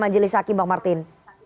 majelis haki bang martin